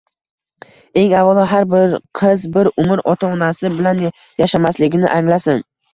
Eng avvalo, har bir qiz bir umr ota-onasi bilan yashamasligini anglasin.